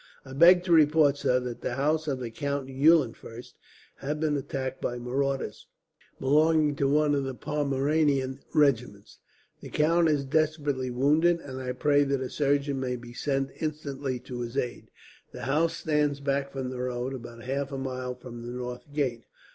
"I beg to report, sir, that the house of the Count Eulenfurst has been attacked by marauders, belonging to one of the Pomeranian regiments. The count is desperately wounded, and I pray that a surgeon may be sent instantly to his aid. The house stands back from the road, about half a mile from the north gate.